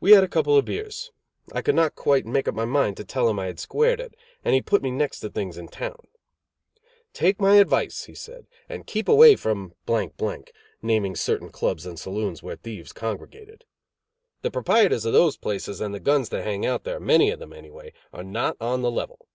We had a couple of beers. I could not quite make up my mind to tell him I had squared it; and he put me next to things in town. "Take my advice," he said, "and keep away from (naming certain clubs and saloons where thieves congregated). The proprietors of these places and the guns that hang out there, many of them anyway, are not on the level.